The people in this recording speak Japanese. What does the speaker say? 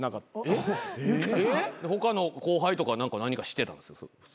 他の後輩とか何人か知ってたんですよ。